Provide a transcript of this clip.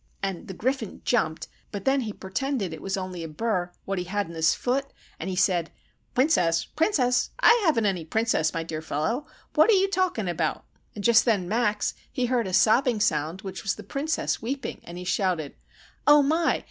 "And the Griffin jumped, but then he pertended it was only a burr what he had in his foot, and he said,— "'Princess? Princess? I haven't any Princess, my dear fellow. What are you talkin' about?' "And just then Max he heard a sobbing sound, which was the Princess weeping, and he shouted,— "'Oh my!